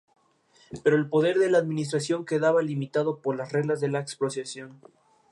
Es una orquídea de tamaño pequeño a mediano, que prefiere el clima frío.